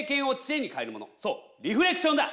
そうリフレクションだ！